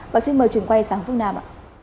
và xin mời trường quay sáng phương nam